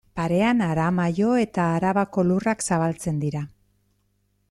Parean Aramaio eta Arabako lurrak zabaltzen dira.